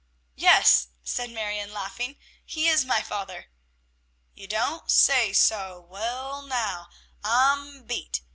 "Yes," said Marion, laughing; "he is my father." "You don't say so, wull, naow, I'm beat.